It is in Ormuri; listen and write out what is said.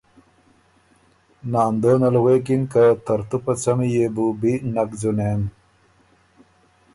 ناندونه ل غوېکِن که ترتُو په څمی يې بو بی نک ځُونېم،